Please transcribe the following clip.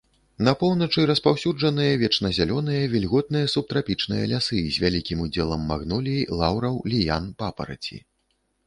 На поўначы распаўсюджаныя вечназялёныя вільготныя субтрапічныя лясы з вялікім удзелам магнолій, лаўраў, ліян, папараці.